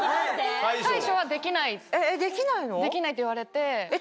できないって言われて。